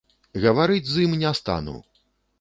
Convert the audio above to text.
Гаварыць з ім не стану!